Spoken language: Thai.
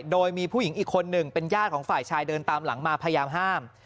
โดยมีผู้หญิงอีกคนหนึ่งเป็นญาติของฝ่ายชายเดินตามหลังมาพยายามห้าม